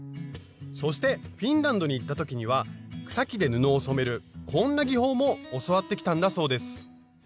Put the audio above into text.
そしてフィンランドに行った時には草木で布を染めるこんな技法も教わってきたんだそうです。